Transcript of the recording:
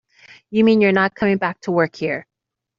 You mean you're not coming back to work here?